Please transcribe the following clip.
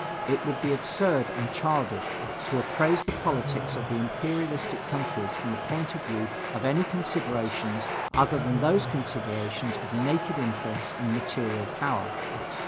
It would be absurd and childish to appraise the politics of the imperialistic countries from the point of view of any considerations other than those considerations of naked interests and material power.